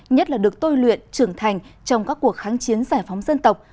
nhất là được tôi luyện trưởng thành trong các cuộc kháng chiến giải phóng dân tộc